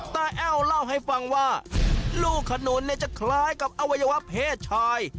แอ้วเล่าให้ฟังว่าลูกขนุนเนี่ยจะคล้ายกับอวัยวะเพศชาย